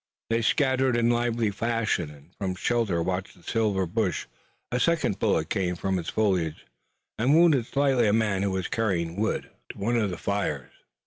They scattered in lively fashion, and from shelter watched the silver bush. A second bullet came from its foliage and wounded slightly a man who was carrying wood to one of the fires.